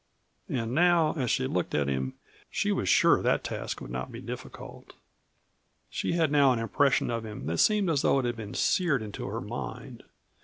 And now as she looked at him she was sure that task would not be difficult. She had now an impression of him that seemed as though it had been seared into her mind.